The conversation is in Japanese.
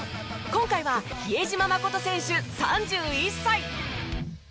今回は比江島慎選手３１歳。